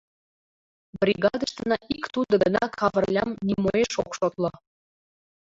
— Бригадыштына ик тудо гына Кавырлям нимоэш ок шотло.